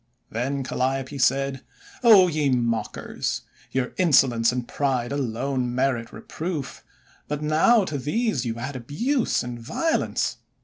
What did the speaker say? Then Calliope said :— :£O ye mockers! Your insolence and pride alone merit reproof. But now to these you add abuse and violence.